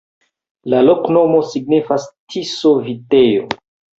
La loknomo signifas: Tiso-vitejo.